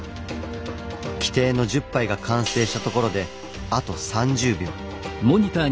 規定の１０杯が完成したところであと３０秒。